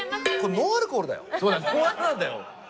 ノンアルなんだよ。